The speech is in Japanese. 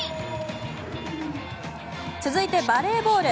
続いてバレーボール。